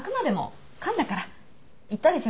言ったでしょ？